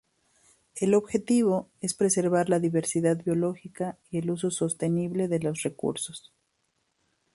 El objetivo es preservar la diversidad biológica y el uso sostenible de los recursos.